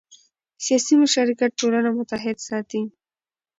سیاسي مشارکت ټولنه متحد ساتي